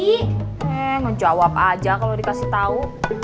eh menjawab aja kalau dikasih tahu